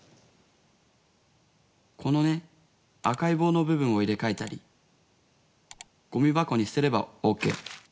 このね赤いぼうの部分を入れ替えたりゴミ箱に捨てればオーケー。